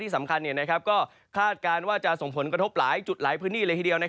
สำคัญก็คาดการณ์ว่าจะส่งผลกระทบหลายจุดหลายพื้นที่เลยทีเดียว